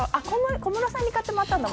小室さんに買ってもらったんだよね。